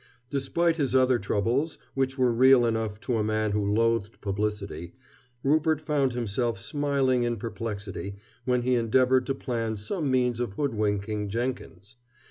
Despite his other troubles which were real enough to a man who loathed publicity Rupert found himself smiling in perplexity when he endeavored to plan some means of hoodwinking Jenkins.